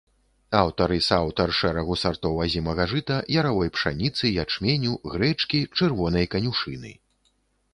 Аўтар і сааўтар шэрагу сартоў азімага жыта, яравой пшаніцы, ячменю, грэчкі, чырвонай канюшыны.